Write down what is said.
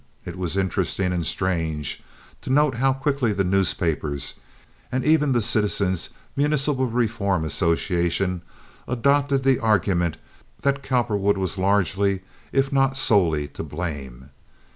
It was interesting and strange to note how quickly the newspapers, and even the Citizens' Municipal Reform Association, adopted the argument that Cowperwood was largely, if not solely, to blame.